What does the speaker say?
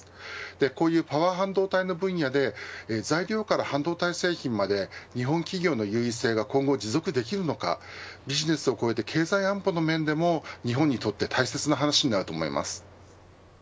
こういうパワー半導体の分野で材料から半導体製品まで日本企業の優位性が今後、持続できるのかビジネスを超えて経済安保の面でも日本にとって大切な話になると思います。